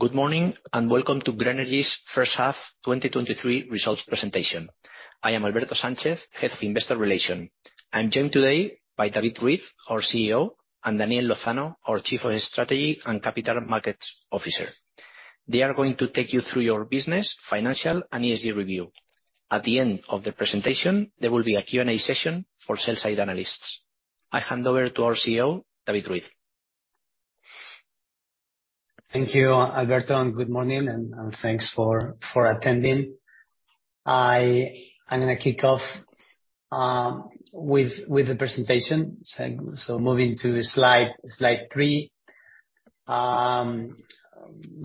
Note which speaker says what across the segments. Speaker 1: Good morning, and welcome to Grenergy's H2 2023 results presentation. I am Alberto Sánchez, Head of Investor Relations. I'm joined today by David Ruiz, our CEO, and Daniel Lozano, our Chief Strategy and Capital Markets Officer. They are going to take you through our business, financial, and ESG review. At the end of the presentation, there will be a Q&A session for sell-side analysts. I hand over to our CEO, David Ruiz.
Speaker 2: Thank you, Alberto, and good morning, and thanks for attending. I'm gonna kick off with the presentation. So moving to slide three, going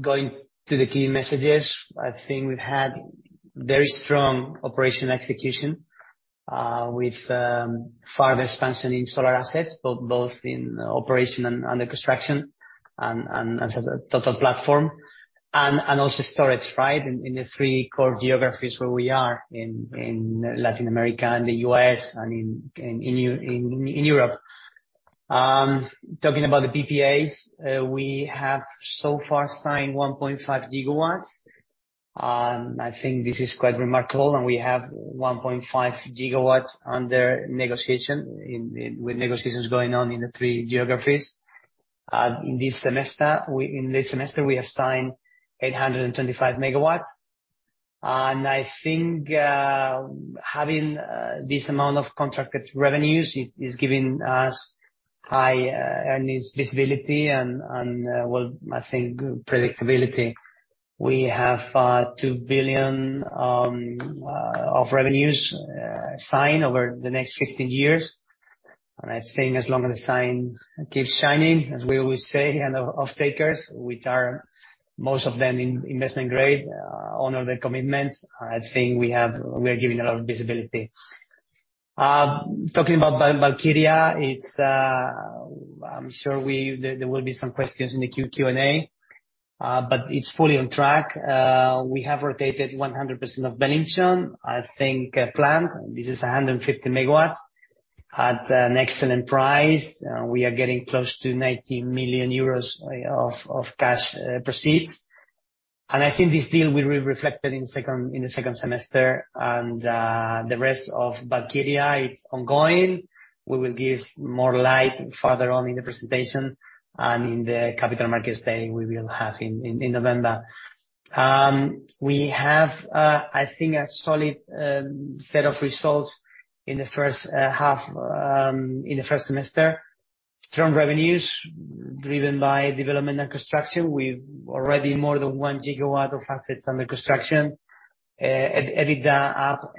Speaker 2: to the key messages, I think we've had very strong operation execution with far expansion in solar assets, both in operation and under construction, and as a total platform, and also storage, right? In the three core geographies where we are in Latin America, and the U.S., and in Europe. Talking about the PPAs, we have so far signed 1.5 gigawatts. I think this is quite remarkable, and we have 1.5 gigawatts under negotiation, with negotiations going on in the three geographies. In this H2, we have signed 825 megawatts. I think having this amount of contracted revenues is giving us high earnings visibility and well I think predictability. We have €2 billion of revenues signed over the next 15 years. I think as long as the sun keeps shining, as we always say, and off-takers, which are most of them investment-grade, honor their commitments, I think we are giving a lot of visibility. Talking about Valkyria, it's... I'm sure there will be some questions in the Q&A, but it's fully on track. We have rotated 100% of Belinchón, I think, plant. This is 150 MW at an excellent price. We are getting close to €90 million of cash proceeds. I think this deal will be reflected in the second semester. The rest of Valkyria, it's ongoing. We will give more light further on in the presentation and in the capital markets day we will have in November. We have, I think, a solid set of results in the H2, in the first semester. Strong revenues driven by development and construction. We've already more than 1 gigawatt of assets under construction. EBITDA up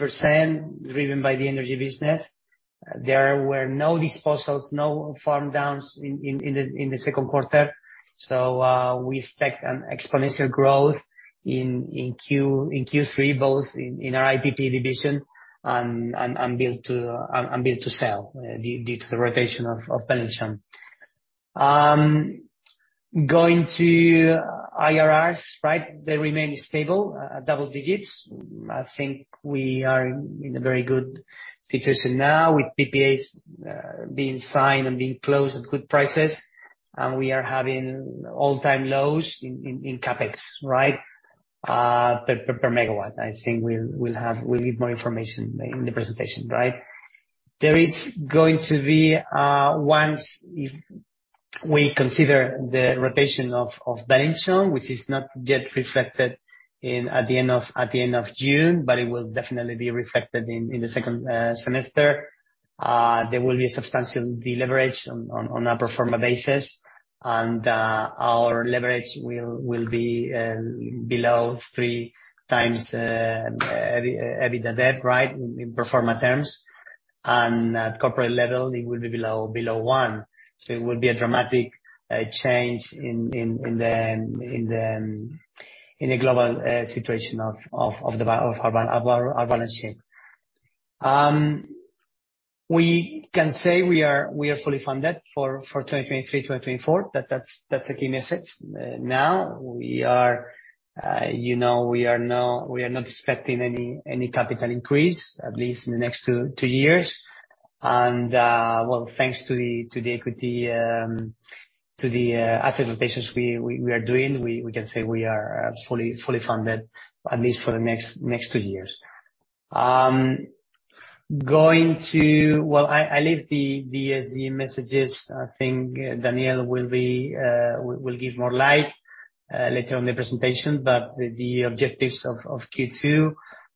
Speaker 2: 8%, driven by the energy business. There were no disposals, no farm downs in the Q2, so we expect an exponential growth in Q3, both in our IPP division and build to sell, due to the rotation of Belinchón. Going to IRRs, right? They remain stable at double digits. I think we are in a very good situation now, with PPAs being signed and being closed at good prices, and we are having all-time lows in CapEx, right? Per megawatt. I think we'll give more information in the presentation, right? There is going to be, once we consider the rotation of Belinchón, which is not yet reflected in at the end of June, but it will definitely be reflected in the second semester, there will be a substantial deleverage on a pro forma basis, and our leverage will be below three x EBITDA debt, right, in pro forma terms. At corporate level, it will be below one. So it will be a dramatic change in the global situation of our balance sheet. We can say we are fully funded for 2023, 2024. That's the key message. Now, you know, we are not expecting any capital increase, at least in the next two years. And, well, thanks to the equity, to the asset rotations we are doing, we can say we are fully funded, at least for the next two years. Going to... Well, I leave the ESG messages. I think Daniel will give more light later in the presentation. But the objectives of Q2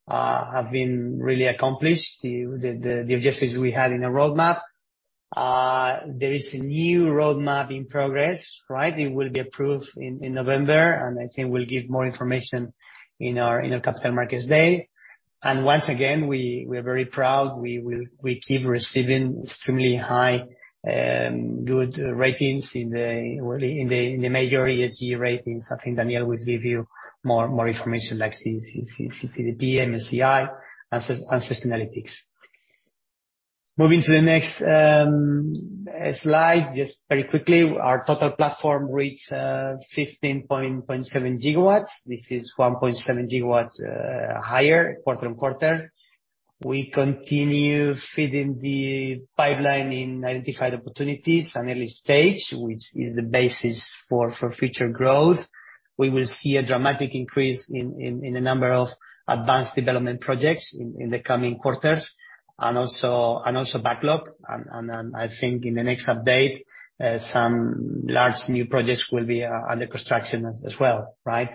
Speaker 2: have been really accomplished, the objectives we had in the roadmap. There is a new roadmap in progress, right? It will be approved in November, and I think we'll give more information in our Capital Markets Day. And once again, we are very proud. We keep receiving extremely high, good ratings in the major ESG ratings. I think Daniel will give you more information, like ISS, CDP, MSCI, and Sustainalytics. Moving to the next slide, just very quickly, our total platform reached 15.7 GW. This is 1.7 GW higher quarter-on-quarter.... We continue feeding the pipeline in identified opportunities and early stage, which is the basis for future growth. We will see a dramatic increase in the number of advanced development projects in the coming quarters, and also backlog. I think in the next update, some large new projects will be under construction as well, right?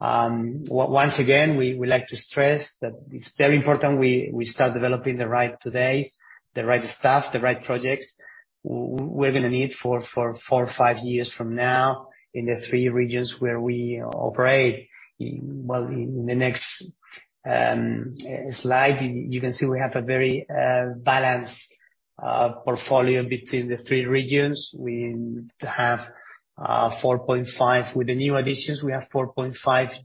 Speaker 2: Once again, we like to stress that it's very important we start developing the right today, the right staff, the right projects we're gonna need for four, five years from now in the three regions where we operate. Well, in the next slide, you can see we have a very balanced portfolio between the three regions. We have 4.5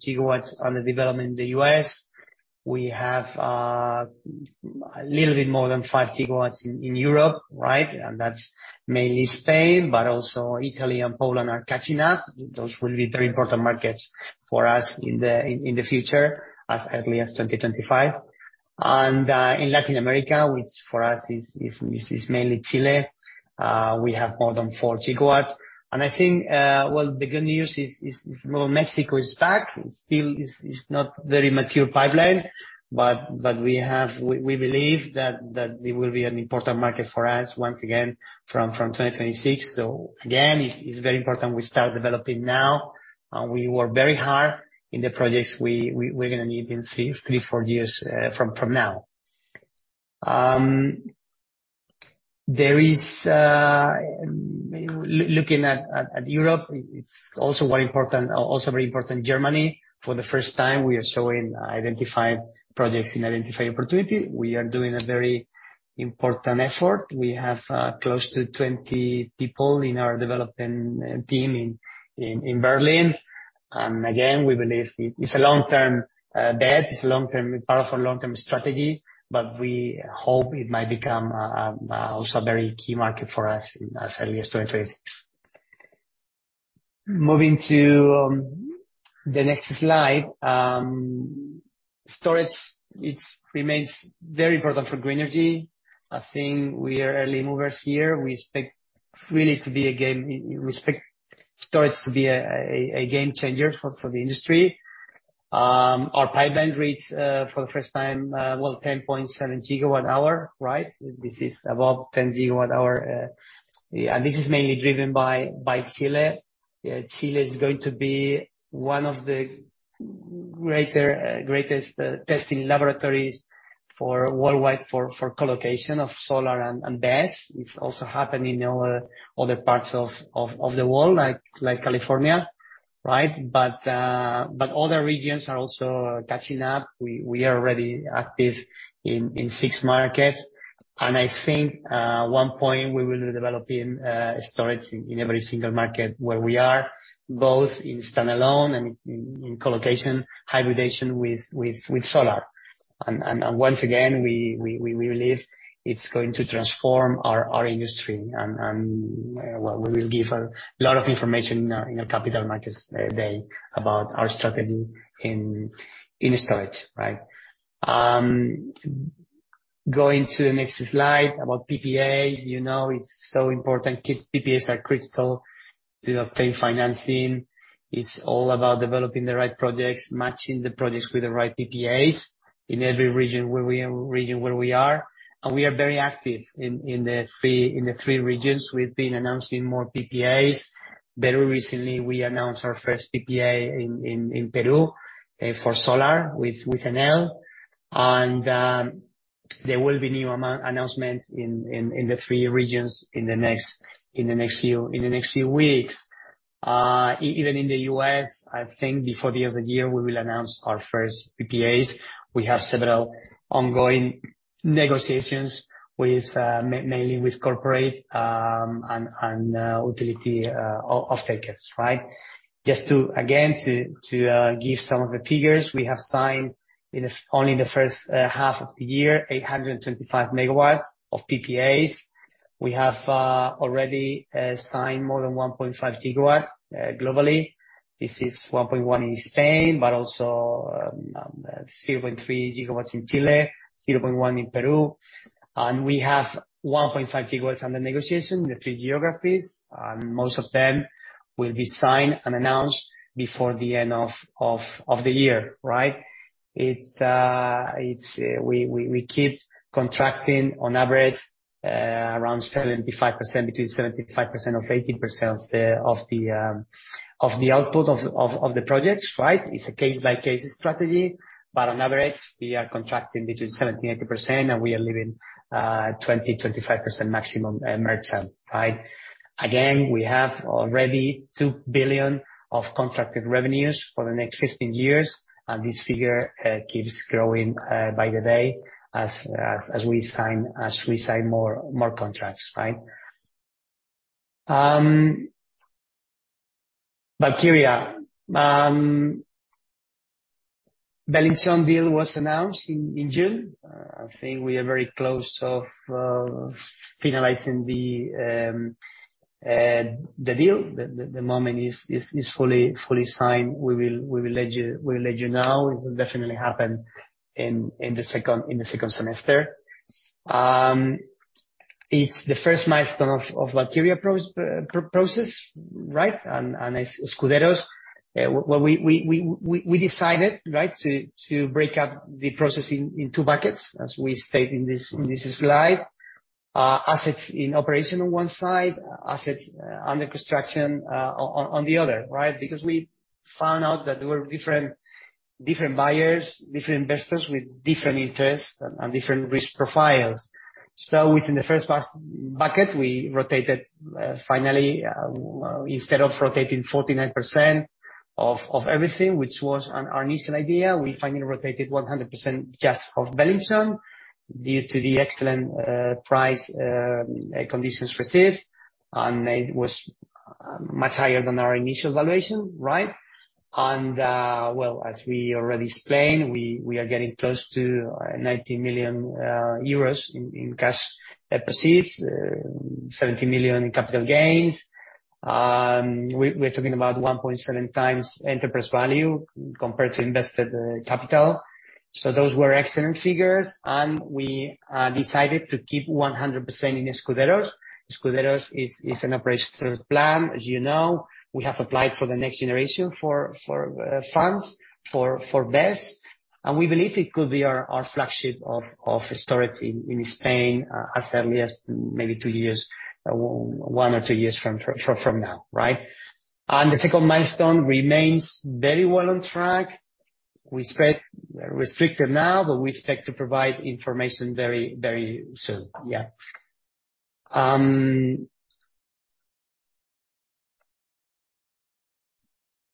Speaker 2: GW under development in the U.S. We have a little bit more than 5 GW in Europe, right? And that's mainly Spain, but also Italy and Poland are catching up. Those will be very important markets for us in the future, as early as 2025. And in Latin America, which for us is mainly Chile, we have more than 4 GW. And I think, well, the good news is, well, Mexico is back. It still is not very mature pipeline, but we have—we believe that it will be an important market for us once again, from 2026. So again, it's very important we start developing now. We work very hard in the projects we're gonna need in three, four years from now. There is... Looking at Europe, it's also very important, Germany. For the first time, we are showing identified projects in identified opportunity. We are doing a very important effort. We have close to 20 people in our development team in Berlin. And again, we believe it's a long-term bet. It's a long-term part of a long-term strategy, but we hope it might become also a very key market for us as early as 2026. Moving to the next slide. Storage, it remains very important for Grenergy. I think we are early movers here. We expect storage to be a game changer for the industry. Our pipeline reads for the first time well 10.7 GWh, right? This is above 10 GWh, and this is mainly driven by Chile. Chile is going to be one of the greater, greatest testing laboratories for worldwide, for co-location of solar and BESS. It's also happening in other parts of the world, like California, right? But other regions are also catching up. We are already active in six markets, and I think, one point we will be developing storage in every single market where we are, both in standalone and in co-location, hybridization with solar. And once again, we believe it's going to transform our industry, and well, we will give a lot of information in our Capital Markets Day about our strategy in storage, right? Going to the next slide about PPAs. You know, it's so important. PPAs are critical to obtain financing. It's all about developing the right projects, matching the projects with the right PPAs in every region where we are. And we are very active in the three regions. We've been announcing more PPAs. Very recently, we announced our first PPA in Peru for solar with Enel. There will be new announcements in the three regions in the next few weeks. Even in the U.S. I think before the end of the year, we will announce our first PPAs. We have several ongoing negotiations with mainly with corporate and utility off takers, right? Just to again give some of the figures, we have signed only in the H2 of the year 825 MW of PPAs. We have already signed more than 1.5 GW globally. This is 1.1 GW in Spain, but also 0.3 GW in Chile, 0.1 GW in Peru, and we have 1.5 GW under negotiation in the three geographies, and most of them will be signed and announced before the end of the year, right? We keep contracting on average around 75%, between 75% and 80% of the output of the projects, right? It's a case-by-case strategy, but on average, we are contracting between 70% to 80%, and we are leaving 20% to 25% maximum merchant. Right? Again, we have already €2 billion of contracted revenues for the next 15 years, and this figure keeps growing by the day as we sign more contracts, right? Valkyria. The Valkyria deal was announced in June. I think we are very close to finalizing the deal, the moment it is fully signed, we will let you know. It will definitely happen in the second semester. It's the first milestone of Valkyria process, right? Escuderos, well, we decided, right, to break up the process in two buckets, as we stated in this slide. Assets in operation on one side, assets under construction on the other, right? Because we found out that there were different buyers, different investors with different interests and different risk profiles. So within the first bucket, we rotated finally, instead of rotating 49% of everything, which was our initial idea, we finally rotated 100% just of Belinchón, due to the excellent price conditions received, and it was much higher than our initial valuation, right? Well, as we already explained, we are getting close to €90 million in cash proceeds, €70 million in capital gains. We're talking about 1.7x enterprise value compared to invested capital. So those were excellent figures, and we decided to keep 100% in Escuderos. Escuderos is an operational plant, as you know. We have applied for the Next Generation EU Funds for BESS, and we believe it could be our flagship of storage in Spain, as early as maybe two years, one or two years from now, right? And the second milestone remains very well on track. We expect... restricted now, but we expect to provide information very, very soon. Yeah.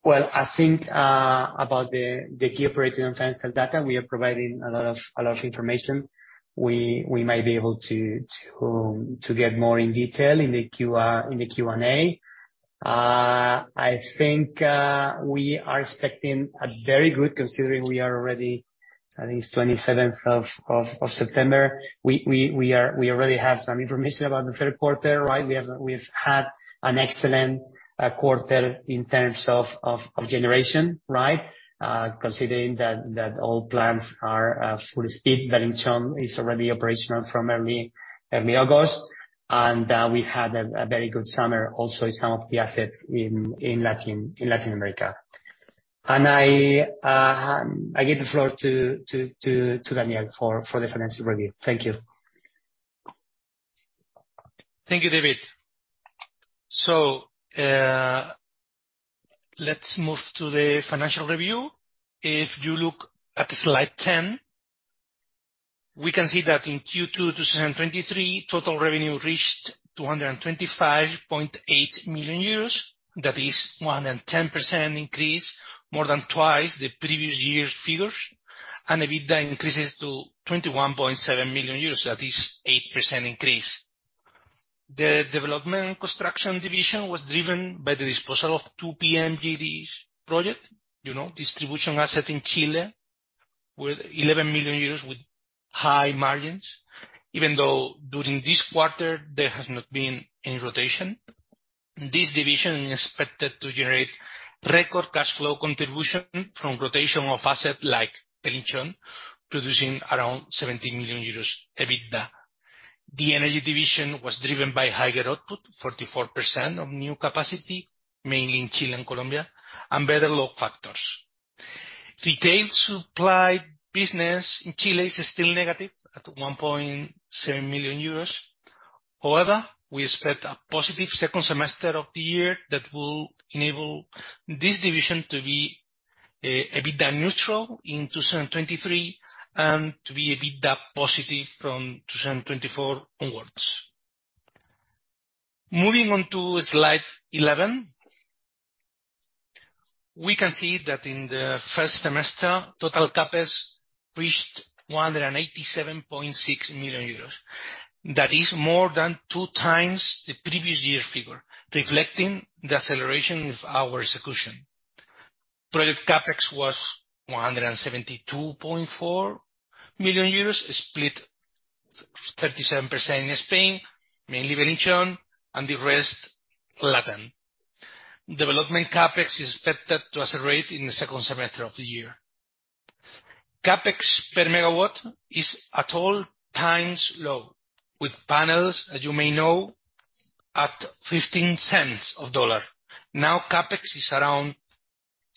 Speaker 2: Well, I think about the key operating and financial data, we are providing a lot of information. We might be able to get more in detail in the Q&A. I think we are expecting a very good, considering we are already, I think it's September 27. We already have some information about the Q3, right? We've had an excellent quarter in terms of generation, right? Considering that all plants are full speed. Belinchón is already operational from early August, and we had a very good summer, also, in some of the assets in Latin America. And I give the floor to Daniel for the financial review. Thank you.
Speaker 3: Thank you, David. So, let's move to the financial review. If you look at slide 10, we can see that in Q2 2023, total revenue reached €225.8 million. That is 110% increase, more than twice the previous year's figures, and EBITDA increases to €21.7 million, that is 8% increase. The development and construction division was driven by the disposal of two PMGDs projects, you know, distribution assets in Chile, with €11 million, with high margins. Even though during this quarter, there has not been any rotation, this division is expected to generate record cash flow contribution from rotation of assets like Belinchón, producing around €70 million EBITDA. The energy division was driven by higher output, 44% of new capacity, mainly in Chile and Colombia, and better load factors. Retail supply business in Chile is still negative, at €1.7 million. However, we expect a positive second semester of the year, that will enable this division to be, EBITDA neutral in 2023, and to be EBITDA positive from 2024 onwards. Moving on to slide eleven, we can see that in the first H2, total CapEx reached €187.6 million. That is more than 2x the previous year's figure, reflecting the acceleration of our execution. Project CapEx was €172.4 million, split thirty-seven percent in Spain, mainly Belinchón, and the rest, Latin. Development CapEx is expected to accelerate in the second semester of the year. CapEx per megawatt is at all-time low, with panels, as you may know, at $0.15. Now, CapEx is around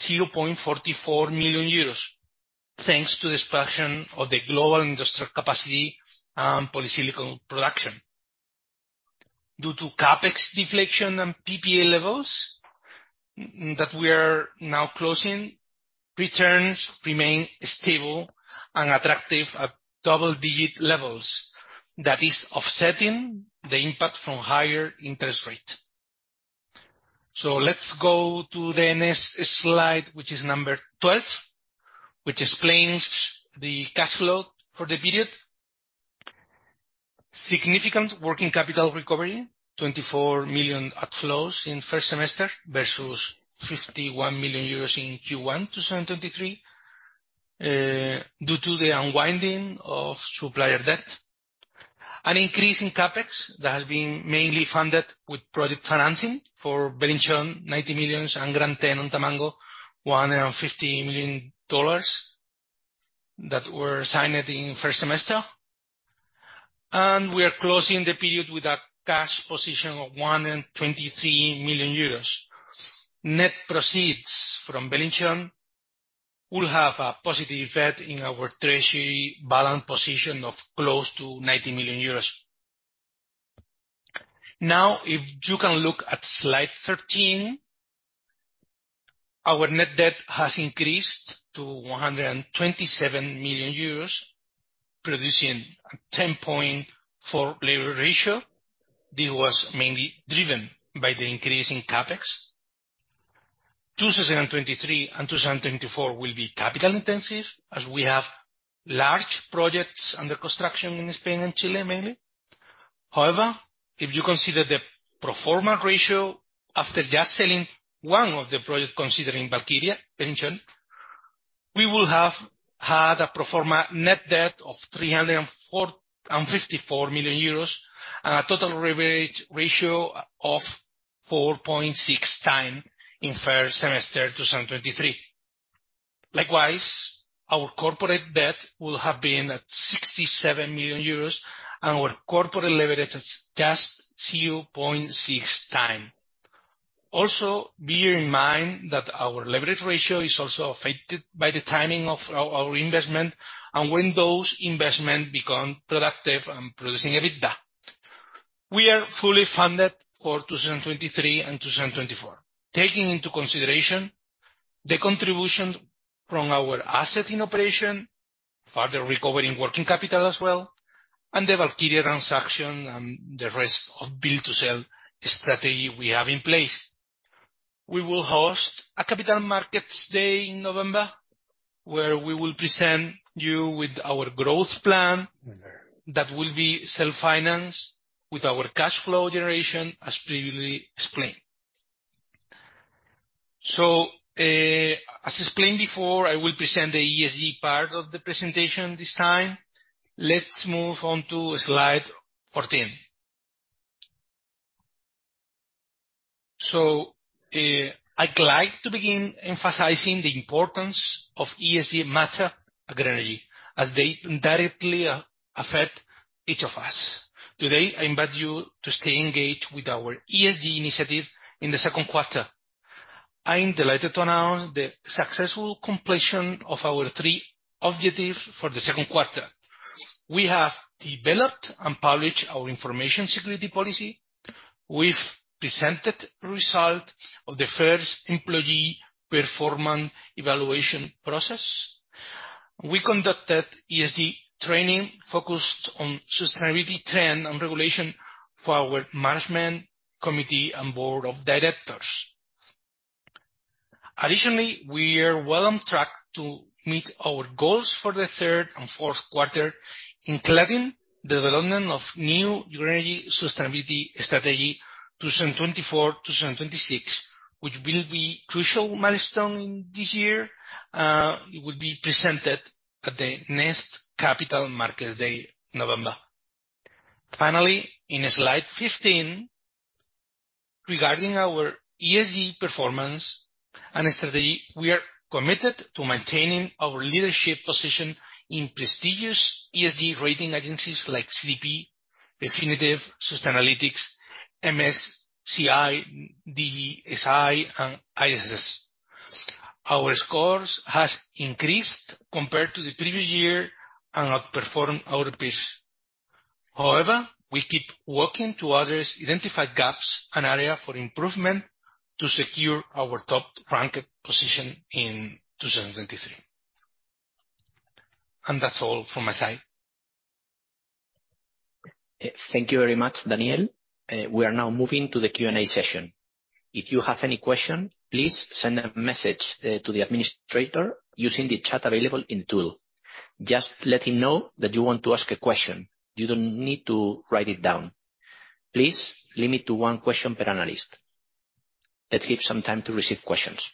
Speaker 3: €0.44 million, thanks to the expansion of the global industrial capacity and polysilicon production. Due to CapEx deflection and PPA levels that we are now closing, returns remain stable and attractive at double-digit levels, that is offsetting the impact from higher interest rate. So let's go to the next slide, which is number 12, which explains the cash flow for the period. Significant working capital recovery, €24 million outflows in first semester, versus €51 million in Q1 2023, due to the unwinding of supplier debt, an increase in CapEx that has been mainly funded with project financing for Belinchón, €90 million, and Gran Teno and Tamango, $150 million that were signed in first H2. And we are closing the period with a cash position of €123 million. Net proceeds from Belinchón will have a positive effect in our treasury balance position of close to €90 million. Now, if you can look at slide 13, our net debt has increased to €127 million, producing a 10.4x leverage ratio. This was mainly driven by the increase in CapEx. 2023 and 2024 will be capital intensive, as we have large projects under construction in Spain and Chile, mainly. However, if you consider the pro forma ratio, after just selling one of the projects, considering Valkyria, Belinchón, we will have had a pro forma net debt of €354 million and a total leverage ratio of 4.6x in first H2 2023. Likewise, our corporate debt will have been at €67 million, and our corporate leverage is just 2.6x. Also, bear in mind that our leverage ratio is also affected by the timing of our investments and when those investments become productive and producing EBITDA. We are fully funded for 2023 and 2024, taking into consideration the contribution from our assets in operation, further recovering working capital as well, and the Valkyria transaction, and the rest of build-to-sell strategy we have in place. We will host a capital markets day in November, where we will present you with our growth plan that will be self-financed with our cash flow generation, as previously explained. As explained before, I will present the ESG part of the presentation this time. Let's move on to slide 14. So, I'd like to begin emphasizing the importance of ESG matter at Grenergy, as they directly affect each of us. Today, I invite you to stay engaged with our ESG initiative in the Q2. I'm delighted to announce the successful completion of our three objectives for the Q2. We have developed and published our information security policy. We've presented result of the first employee performance evaluation process. We conducted ESG training focused on sustainability ten and regulation for our management, committee, and board of directors. Additionally, we are well on track to meet our goals for the Q3 and Q4, including the development of new Grenergy sustainability strategy, 2024 to 2026, which will be crucial milestone in this year. It will be presented at the next Capital Markets Day, November. Finally, in slide 15, regarding our ESG performance and strategy, we are committed to maintaining our leadership position in prestigious ESG rating agencies like CDP, Refinitiv, Sustainalytics, MSCI, DJSI, and ISS. Our scores have increased compared to the previous year and outperformed our peers. However, we keep working to address identified gaps and areas for improvement to secure our top-ranked position in 2023. That's all from my side.
Speaker 1: Thank you very much, Daniel. We are now moving to the Q&A session. If you have any question, please send a message to the administrator using the chat available in the tool. Just let him know that you want to ask a question. You don't need to write it down. Please limit to one question per analyst. Let's give some time to receive questions.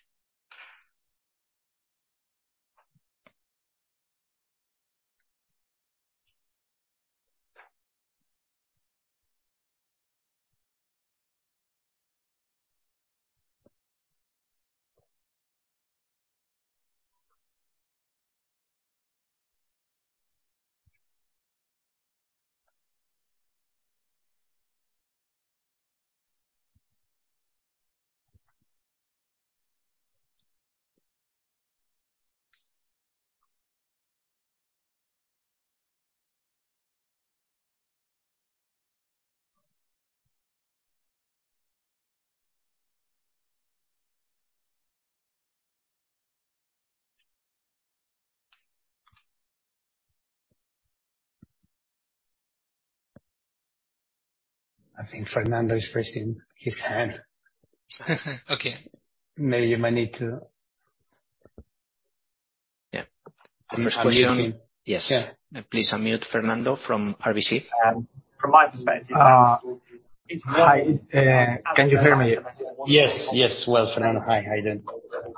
Speaker 2: I think Fernando is raising his hand.
Speaker 1: Okay.
Speaker 2: Maybe you might need to...
Speaker 1: Yeah. First question-
Speaker 4: Unmute me.
Speaker 1: Yes.
Speaker 2: Yeah.
Speaker 1: Please unmute Fernando from RBC.
Speaker 4: ...From my perspective, hi, can you hear me?
Speaker 2: Yes. Yes, well, Fernando. Hi, how are you doing?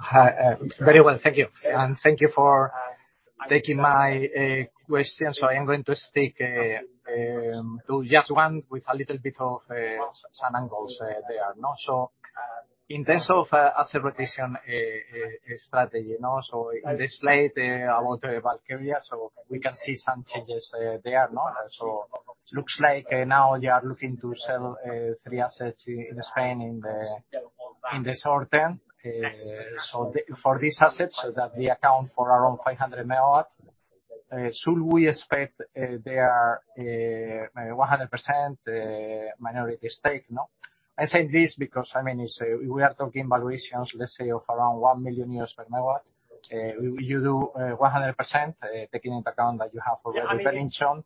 Speaker 4: Hi, very well, thank you. And thank you for taking my question. I am going to stick to just one with a little bit of some angles. In terms of asset rotation strategy, you know, so in this slide about Valkyria, so we can see some changes there, no? So looks like now you are looking to sell three assets in Spain in the short term. For these assets, so that they account for around 500 MW, should we expect 100% minority stake, no? I say this because, I mean, it's we are talking valuations, let's say, of around €1 million per MW. You do 100%, taking into account that you have already Belinchón.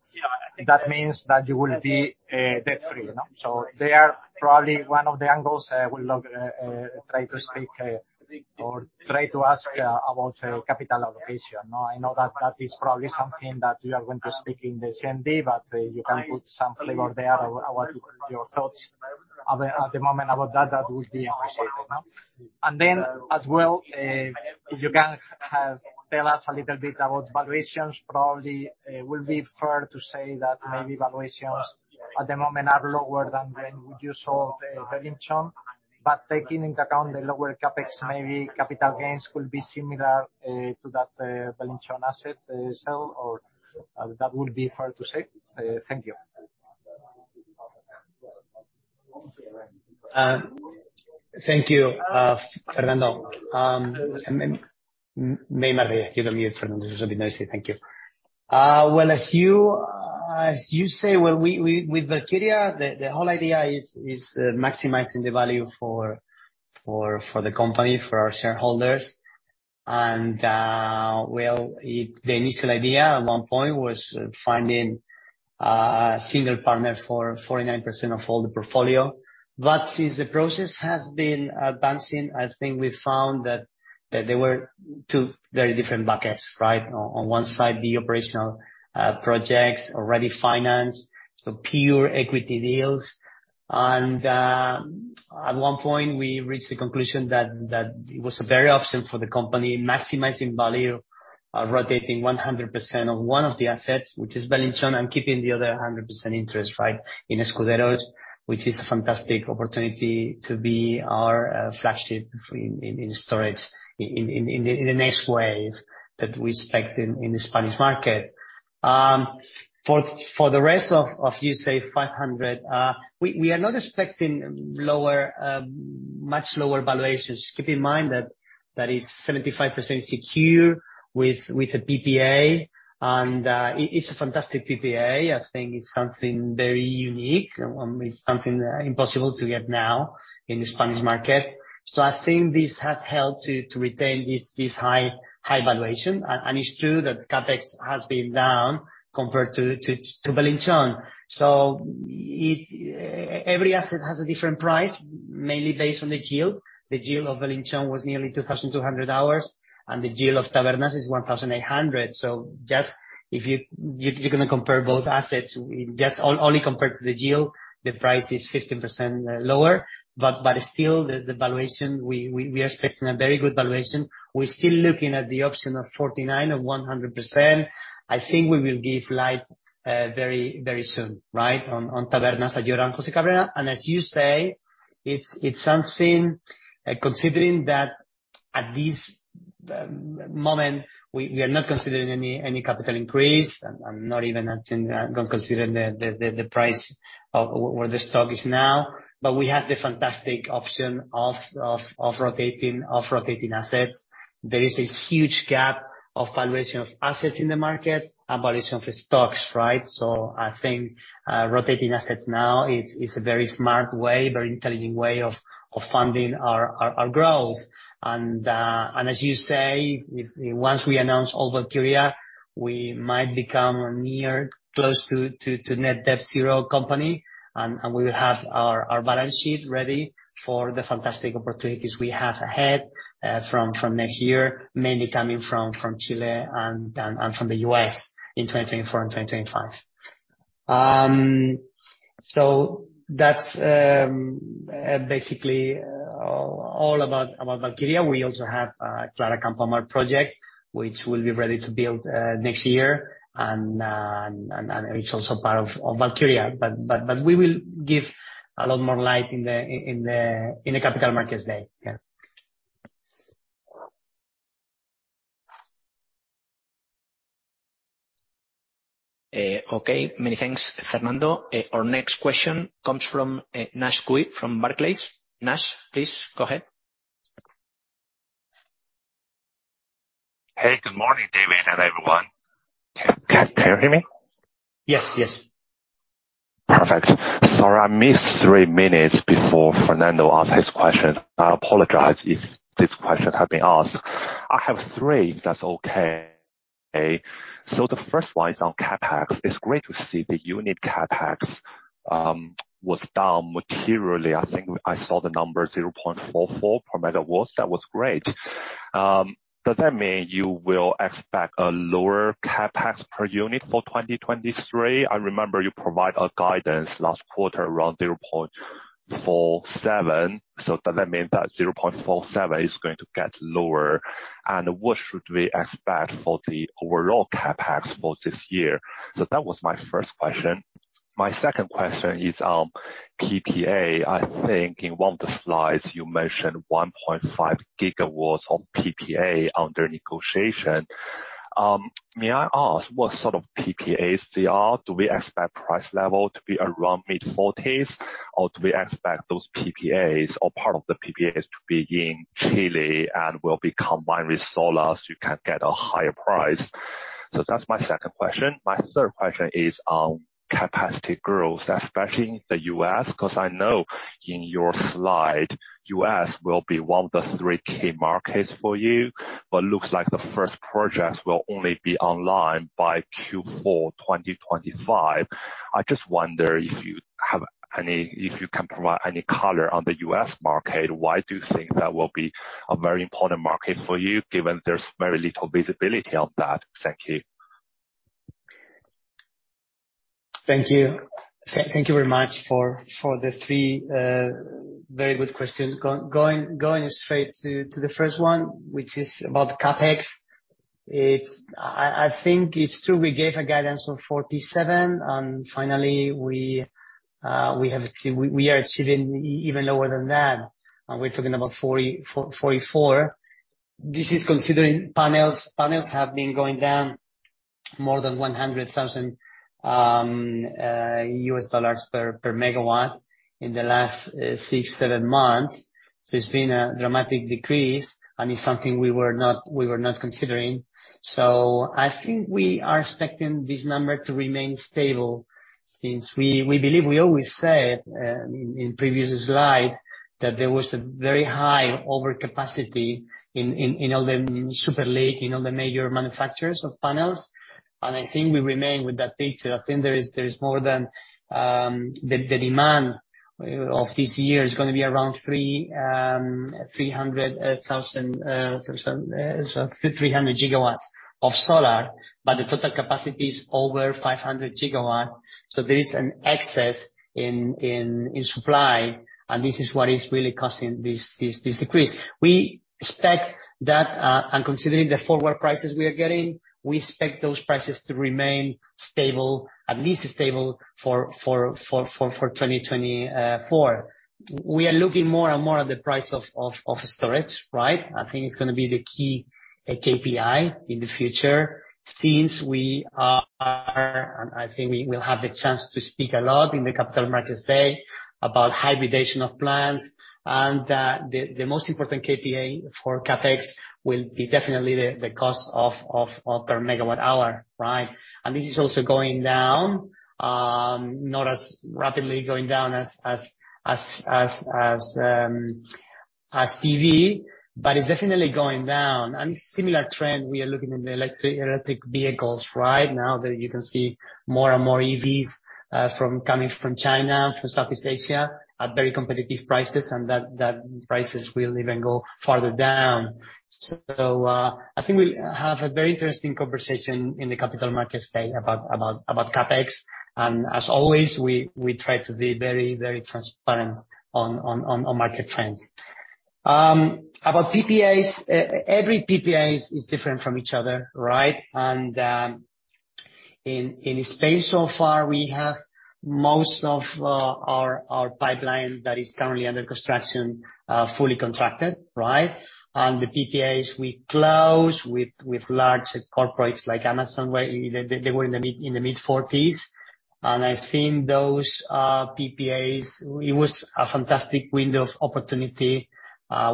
Speaker 4: That means that you will be debt-free, you know? So they are probably one of the angles I would love to try to speak or try to ask about capital allocation, no? I know that that is probably something that you are going to speak in the CMD, but you can put some flavor there. I want your thoughts at the moment about that, that would be appreciated, no? And then, as well, if you can tell us a little bit about valuations, probably will be fair to say that maybe valuations at the moment are lower than when you sold Belinchón. But taking into account the lower CapEx, maybe capital gains will be similar to that Belinchón asset sale, or that would be fair to say. Thank you.
Speaker 2: Thank you, Fernando. And then Mayari, you will mute Fernando. It's a bit noisy. Thank you. Well, as you say, well, we with Valkyria, the whole idea is maximizing the value for the company, for our shareholders. Well, it. The initial idea at one point was finding a single partner for 49% of all the portfolio. But since the process has been advancing, I think we found that there were two very different buckets, right? On one side, the operational projects, already financed, so pure equity deals. At one point, we reached the conclusion that it was a better option for the company, maximizing value, rotating 100% of one of the assets, which is Belinchón, and keeping the other 100% interest, right, in Escuderos, which is a fantastic opportunity to be our flagship in storage in the next wave that we expect in the Spanish market. For the rest of, you say 500, we are not expecting lower, much lower valuations. Just keep in mind that is 75% secure with a PPA, and it's a fantastic PPA. I think it's something very unique, it's something impossible to get now in the Spanish market. So I think this has helped to retain this high valuation. And it's true that CapEx has been down compared to Belinchón. So every asset has a different price, mainly based on the deal. The deal of Belinchón was nearly $2,200, and the deal of Tabernas is $1,800. So just if you're gonna compare both assets, we just only compare to the deal, the price is 15% lower. But still, the valuation, we are expecting a very good valuation. We're still looking at the option of 49% or 100%. I think we will give light very soon, right, on Tabernas, Ayora, and José Cabrera. As you say, it's something, considering that at this moment we are not considering any capital increase, and not even considering the price of where the stock is now. But we have the fantastic option of rotating assets. There is a huge gap of valuation of assets in the market and valuation of the stocks, right? So I think, rotating assets now is a very smart way, very intelligent way of funding our growth. And as you say, if once we announce all Valkyria, we might become near, close to net debt zero company, and we will have our balance sheet ready for the fantastic opportunities we have ahead, from next year, mainly coming from Chile and from the U.S. in 2024 and 2025. So that's basically all about Valkyria. We also have Clara Campoamor project, which will be ready to build next year. And it's also part of Valkyria, but we will give a lot more light in the capital markets day. Yeah. Okay. Many thanks, Fernando. Our next question comes from Nash Cui, from Barclays. Nash, please go ahead.
Speaker 5: Hey, good morning, David, and everyone. Can you hear me?
Speaker 2: Yes. Yes.
Speaker 5: Perfect. Sorry, I missed three minutes before Fernando asked his question. I apologize if these questions have been asked. I have three, if that's okay. So the first one is on CapEx. It's great to see the unit CapEx was down materially. I think I saw the number 0.44 per megawatt. That was great. Does that mean you will expect a lower CapEx per unit for 2023? I remember you provide a guidance last quarter around 0.47. So does that mean that 0.47 is going to get lower? And what should we expect for the overall CapEx for this year? So that was my first question. My second question is on PPA. I think in one of the slides you mentioned 1.5 GW of PPA under negotiation. May I ask what sort of PPAs they are? Do we expect price level to be around mid, or do we expect those PPAs or part of the PPAs to be in Chile and will be combined with solar, so you can get a higher price? So that's my second question. My third question is on capacity growth, especially in the U.S. because I know in your slide, U.S. will be one of the three key markets for you, but looks like the first projects will only be online by Q4 2025. I just wonder if you can provide any color on the U.S. market. Why do you think that will be a very important market for you, given there's very little visibility on that? Thank you.
Speaker 2: Thank you. Thank you very much for the three very good questions. Going straight to the first one, which is about CapEx. It's. I think it's true we gave a guidance of €47, and finally, we have achieved—we are achieving even lower than that. We're talking about 44, 44. This is considering panels. Panels have been going down more than $100,000 per megawatt in the last six to seven months. So it's been a dramatic decrease, and it's something we were not considering. So I think we are expecting this number to remain stable since we believe we always said, in previous slides, that there was a very high overcapacity in the supply chain, in all the major manufacturers of panels. I think we remain with that picture. I think there is more than the demand of this year is gonna be around 300 gigawatts of solar, but the total capacity is over 500 gigawatts. So there is an excess in supply, and this is what is really causing this decrease. We expect that and considering the forward prices we are getting, we expect those prices to remain stable, at least stable for 2024. We are looking more and more at the price of storage, right? I think it's gonna be the key, the KPI in the future. Since we are, and I think we will have the chance to speak a lot in the Capital Markets Day, about hybridization of plants, and, the most important KPI for CapEx will be definitely the cost per megawatt hour, right? And this is also going down, not as rapidly going down as PV, but it's definitely going down. And similar trend, we are looking in the electric vehicles right now, that you can see more and more EVs, coming from China, from Southeast Asia, at very competitive prices, and that prices will even go farther down. So, I think we'll have a very interesting conversation in the Capital Markets Day about CapEx, and as always, we try to be very transparent on market trends. About PPAs, every PPA is different from each other, right? And in Spain so far, we have most of our pipeline that is currently under construction fully contracted, right? And the PPAs we close with large corporates like Amazon, where they were in the mid-forties. And I think those PPAs, it was a fantastic window of opportunity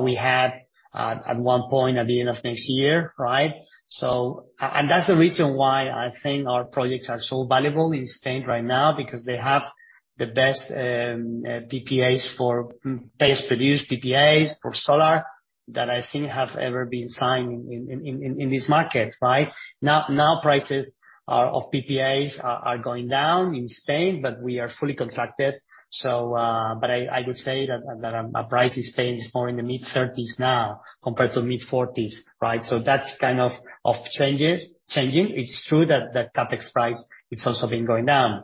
Speaker 2: we had at one point at the end of next year, right? So and that's the reason why I think our projects are so valuable in Spain right now, because they have the best PPAs for best produced PPAs for solar, that I think have ever been signed in this market, right? Now prices of PPAs are going down in Spain, but we are fully contracted. So, but I would say that a price in Spain is more in the mid-30s now, compared to mid-40s, right? So that's kind of changing. It's true that CapEx price, it's also been going down.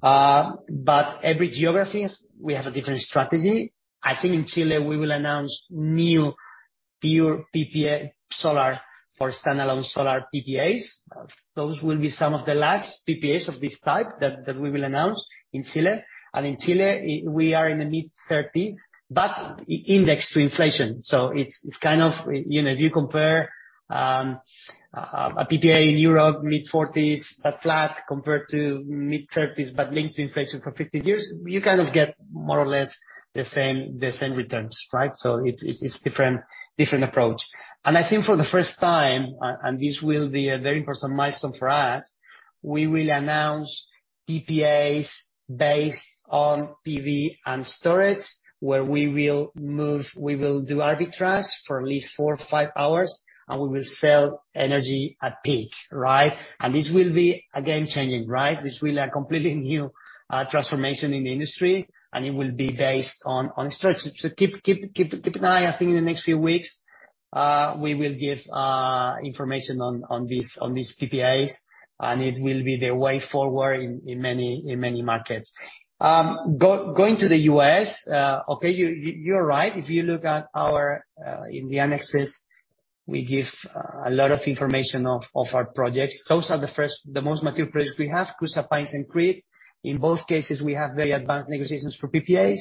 Speaker 2: But every geography, we have a different strategy. I think in Chile, we will announce new pure PPA solar for standalone solar PPAs. Those will be some of the last PPAs of this type that we will announce in Chile. And in Chile, we are in the mid-30s, but indexed to inflation. So it's kind of, you know, if you compare a PPA in Europe, mid-40s, but flat, compared to mid-30s, but linked to inflation for 50 years, you kind of get more or less the same returns, right? So it's different approach. I think for the first time, and this will be a very important milestone for us, we will announce PPAs based on PV and storage, where we will move. We will do arbitrage for at least four to five hours and we will sell energy at peak, right? And this will be a game-changing, right? This will be a completely new transformation in the industry, and it will be based on structure. So keep an eye, I think in the next few weeks, we will give information on these PPAs, and it will be the way forward in many markets. Going to the U.S. okay, you're right. If you look at our in the annexes, we give a lot of information of our projects. Those are the most mature projects we have, Coosaw and Creed. In both cases, we have very advanced negotiations for PPAs.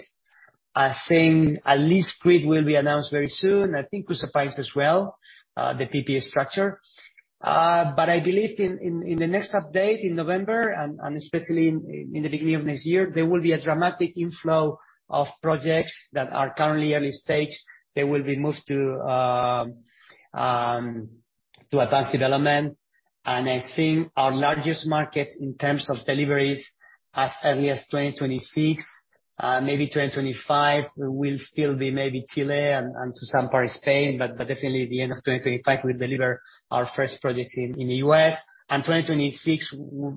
Speaker 2: I think at least Creed will be announced very soon. I think Coosaw as well, the PPA structure. But I believe in the next update in November and especially in the beginning of next year, there will be a dramatic inflow of projects that are currently early stage. They will be moved to advanced development. And I think our largest market in terms of deliveries, as early as 2026, maybe 2025, will still be maybe Chile and to some part, Spain, but definitely at the end of 2025, we deliver our first projects in the U.S. 2026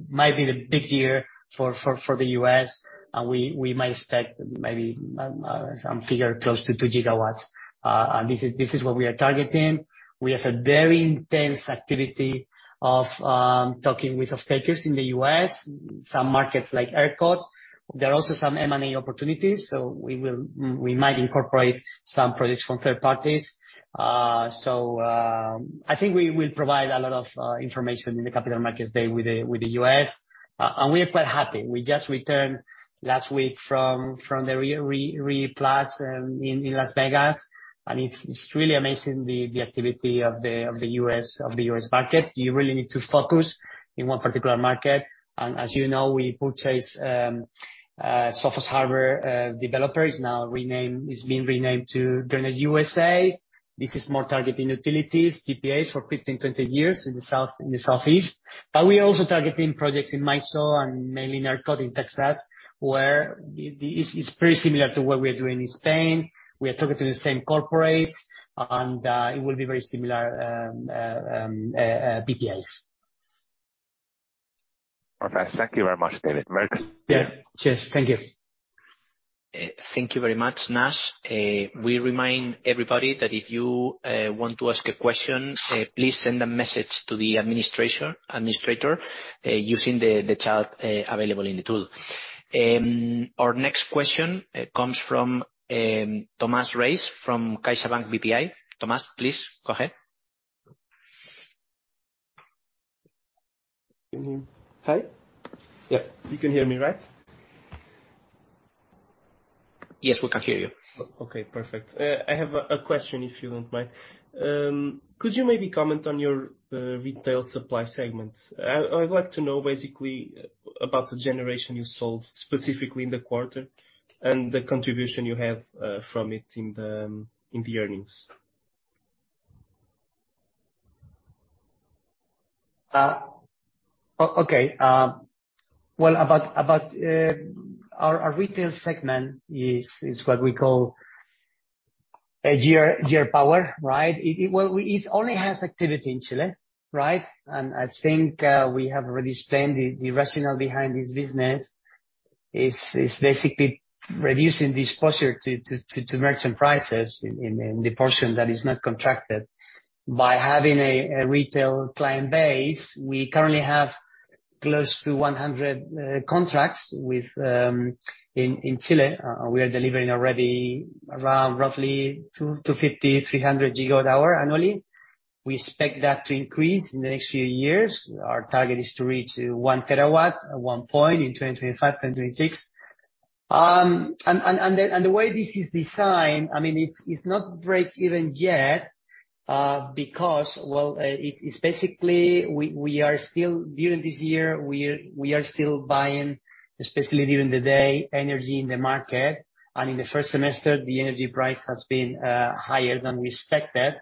Speaker 2: might be the big year for the U.S. and we might expect maybe some figure close to 2 GW. This is what we are targeting. We have a very intense activity of talking with off-takers in the U.S. some markets like ERCOT. There are also some M&A opportunities, so we might incorporate some projects from third parties. So I think we will provide a lot of information in the capital markets day with the U.S. and we are quite happy. We just returned last week from the RE+ in Las Vegas, and it's really amazing, the activity of the U.S. market. You really need to focus in one particular market, and as you know, we purchased Sofos Harbert developers, now renamed—it's been renamed to Grenergy U.S. This is more targeting utilities, PPAs for 15, 20 years in the south, in the southeast. But we are also targeting projects in MISO and mainly in ERCOT, in Texas, where It's pretty similar to what we are doing in Spain. We are talking to the same corporates, and it will be very similar, PPAs.
Speaker 5: Perfect. Thank you very much, David. Marcus?
Speaker 2: Yeah. Cheers. Thank you.
Speaker 1: Thank you very much, Nash. We remind everybody that if you want to ask a question, please send a message to the administration, administrator, using the chat available in the tool. Our next question comes from Tomás Reis, from CaixaBank BPI. Tomás, please, go ahead.
Speaker 6: Hi? Yep, you can hear me, right?
Speaker 1: Yes, we can hear you.
Speaker 6: Okay, perfect. I have a question, if you don't mind. Could you maybe comment on your retail supply segment? I'd like to know, basically, about the generation you sold, specifically in the quarter, and the contribution you have from it in the earnings.
Speaker 2: Okay. Well, about our retail segment is what we call GR Power, right? It only has activity in Chile, right? Well, we, I think we have already explained the rationale behind this business. It's basically reducing the exposure to merchant prices in the portion that is not contracted. By having a retail client base, we currently have close to 100 contracts with in Chile. We are delivering already around roughly 250 GWh to 300 GWh annually. We expect that to increase in the next few years. Our target is to reach 1 terawatt at one point in 2025, 2026. And then, the way this is designed, I mean, it's not breakeven yet, because, well, it's basically, we are still buying, especially during the day, energy in the market, and in the first semester, the energy price has been higher than we expected.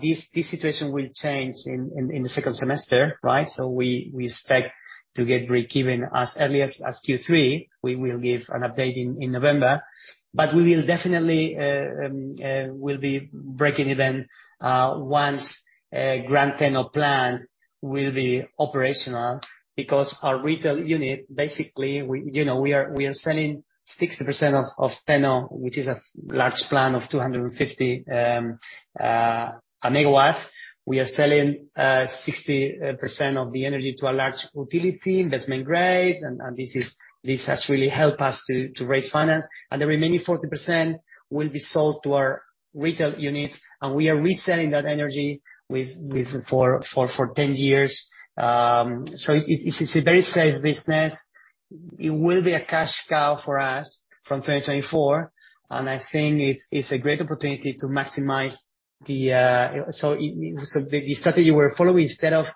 Speaker 2: This situation will change in the second semester, right? So we expect to get breakeven as early as Q3. We will give an update in November. But we will definitely will be breaking even once Gran Teno plant will be operational. Because our retail unit, basically, you know, we are selling 60% of Teno, which is a large plant of 250 MW. We are selling 60% of the energy to a large utility, investment-grade, and this has really helped us to raise finance. The remaining 40% will be sold to our retail units, and we are reselling that energy with... for 10 years. So it is a very safe business. It will be a cash cow for us from 2024, and I think it's a great opportunity to maximize the... So the strategy we're following, instead of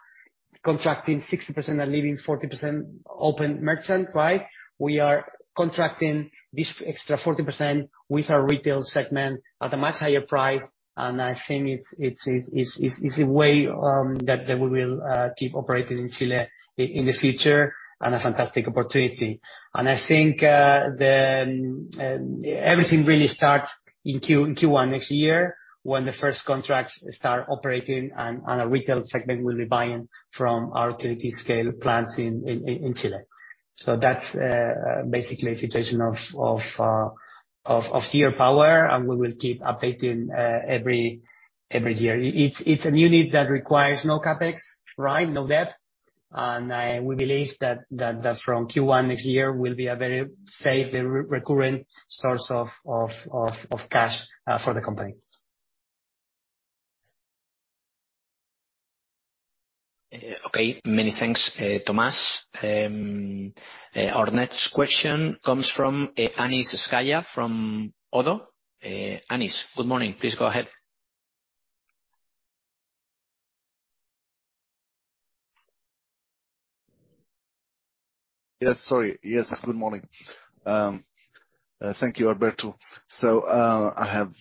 Speaker 2: contracting 60% and leaving 40% open merchant, right, we are contracting this extra 40% with our retail segment at a much higher price. And I think it's a way that we will keep operating in Chile in the future, and a fantastic opportunity. I think the everything really starts in Q1 next year, when the first contracts start operating, and our retail segment will be buying from our utility scale plants in Chile. So that's basically a situation of GR Power, and we will keep updating every year. It's a unit that requires no CapEx, right? No debt. We believe that from Q1 next year will be a very safe and recurrent source of cash for the company.
Speaker 1: Okay, many thanks, Tomas. Our next question comes from Anis Zgaya, from Oddo. Anis, good morning. Please go ahead.
Speaker 7: Yes, sorry. Yes, good morning. Thank you, Alberto. I have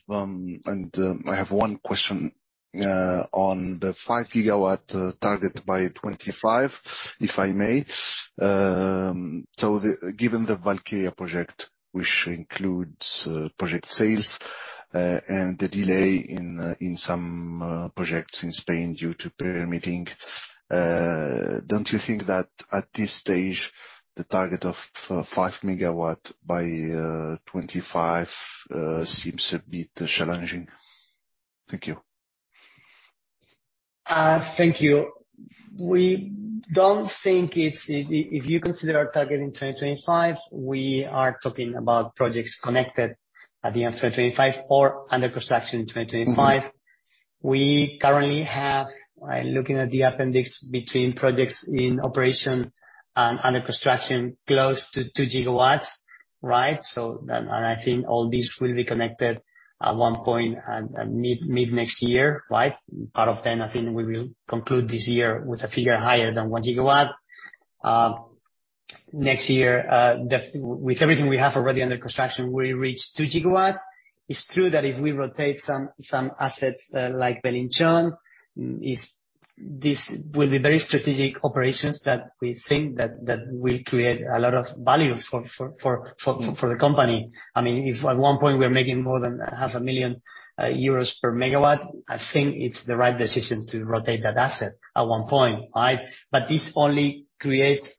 Speaker 7: one question on the 5 GW target by 2025, if I may. Given the Valkyria project, which includes project sales and the delay in some projects in Spain due to permitting, don't you think that at this stage, the target of 5 GW by 2025 seems a bit challenging? Thank you.
Speaker 2: Thank you. We don't think it's... If you consider our target in 2025, we are talking about projects connected at the end of 2025 or under construction in 2025.
Speaker 7: Mm-hmm.
Speaker 2: We currently have, by looking at the appendix between projects in operation and under construction, close to 2 GW, right? So then, and I think all these will be connected at one point at mid-next year, right? Out of 10, I think we will conclude this year with a figure higher than 1 GW. Next year, with everything we have already under construction, we reach 2 GW. It's true that if we rotate some assets, like Belinchón. This will be very strategic operations that we think that will create a lot of value for the company. I mean, if at one point we're making more than €500,000 per MW, I think it's the right decision to rotate that asset at one point, right? But this only creates,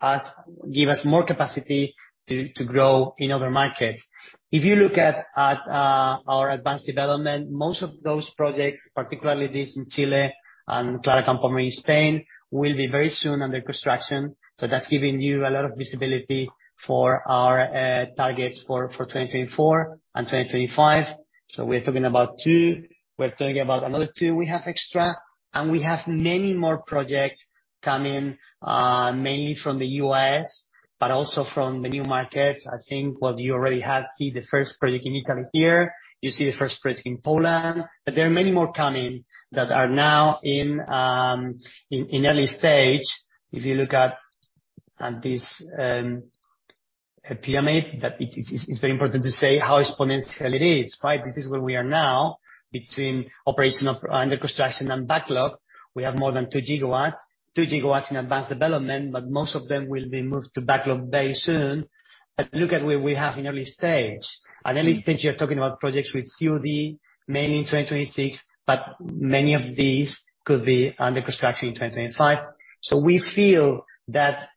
Speaker 2: give us more capacity to grow in other markets. If you look at our advanced development, most of those projects, particularly these in Chile and Clara Campoamor in Spain, will be very soon under construction. So that's giving you a lot of visibility for our targets for 2024 and 2025. So we're talking about two, we're talking about another two we have extra, and we have many more projects coming, mainly from the U.S. but also from the new markets. I think what you already have seen, the first project in Italy here, you see the first project in Poland, but there are many more coming that are now in early stage. If you look at this PPA, that it is, it's very important to say how exponential it is, right? This is where we are now, between operational and under construction and backlog. We have more than 2 gigawatts, 2 gigawatts in advanced development, but most of them will be moved to backlog very soon. But look at where we have in early stage. At early stage, you're talking about projects with COD, mainly in 2026, but many of these could be under construction in 2025. So we feel that,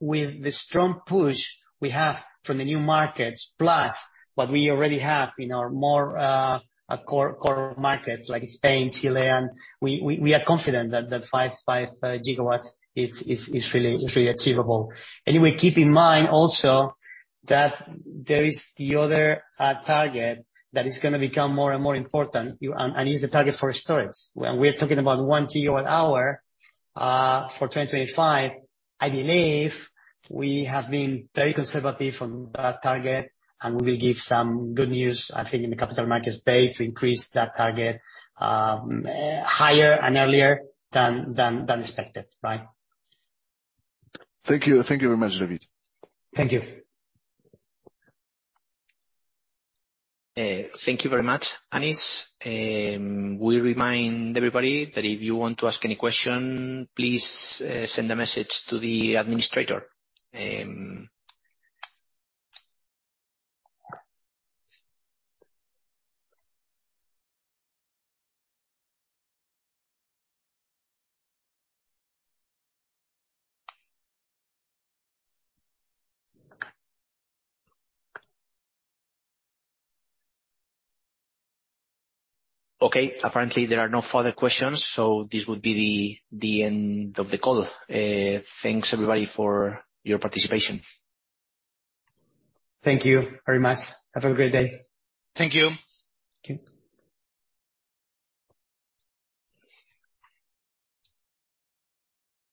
Speaker 2: with the strong push we have from the new markets, plus what we already have in our more core, core markets like Spain, Chile, and... We are confident that the 5 gigawatts is really achievable. Anyway, keep in mind also, that there is the other target that is gonna become more and more important, and is the target for storage. When we're talking about 1 gigawatt hour for 2025, I believe we have been very conservative on that target, and we will give some good news, I think, in the capital markets day, to increase that target higher and earlier than expected, right?
Speaker 7: Thank you. Thank you very much, David.
Speaker 2: Thank you.
Speaker 1: Thank you very much, Anis. We remind everybody that if you want to ask any question, please, send a message to the administrator. Okay, apparently there are no further questions, so this would be the end of the call. Thanks everybody for your participation.
Speaker 2: Thank you very much. Have a great day.
Speaker 7: Thank you.
Speaker 2: Thank you.